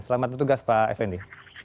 selamat bertugas pak fendi